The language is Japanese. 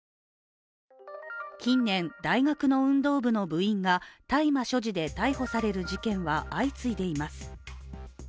近年、大学の運動部の部員が大麻所持で逮捕される事件が相次いでいます。